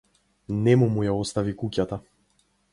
Нему му ја остави куќата.